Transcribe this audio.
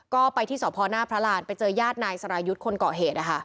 ก็ไปที่สอบพรณ์หน้าพระราชไปเจอยาดนายสรายุทธ์คนเกาะเหตุนะคะ